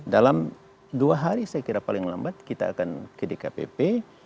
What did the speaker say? dalam dua hari saya kira paling lambat kita akan ke dkpp